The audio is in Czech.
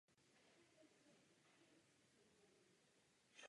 Některé druhy náležejí mezi významné zdroje dřeva.